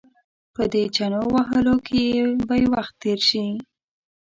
په دې چنو وهلو کې به وخت تېر شي.